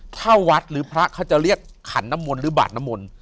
ถ้าวัดหรือพระเขาจะเรียกขันน้ำมนต์หรือบาดน้ำมนต์